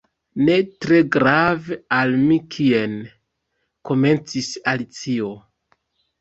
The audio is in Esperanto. "Ne tre grave al mi kien" komencis Alicio.